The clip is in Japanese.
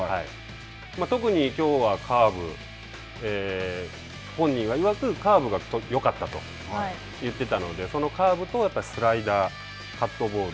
特にきょうはカーブ、本人いわく、カーブがよかったと言っていたので、そのカーブとスライダー、カットボール。